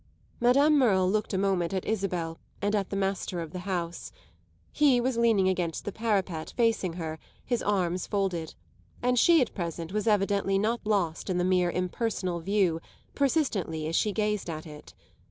Madame Merle looked a moment at Isabel and at the master of the house. He was leaning against the parapet, facing her, his arms folded; and she at present was evidently not lost in the mere impersonal view, persistently as she gazed at it.